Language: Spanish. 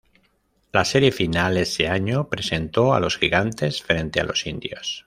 La Serie Final ese año presentó a los Gigantes frente a los Indios.